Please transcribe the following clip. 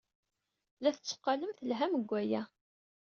La tetteqqalem telham deg waya.